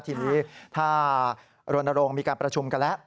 ทีนี้ถ้ารณรงค์มีการประชุมกันแล้ว